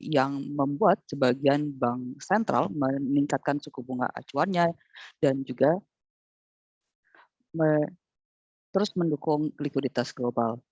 yang membuat sebagian bank sentral meningkatkan suku bunga acuannya dan juga terus mendukung likuiditas global